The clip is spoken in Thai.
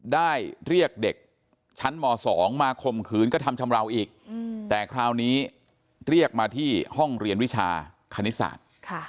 ได้เรียกเด็กชั้นม๒มาข่มขืนกระทำชำราวอีกแต่คราวนี้เรียกมาที่ห้องเรียนวิชาคณิตศาสตร์